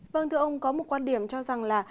vâng thưa ông có một quan điểm cho rằng là